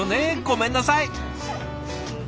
ごめんなさい。